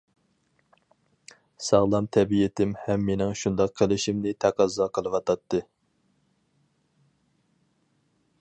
ساغلام تەبىئىتىم ھەم مېنىڭ شۇنداق قىلىشىمنى تەقەززا قىلىۋاتاتتى.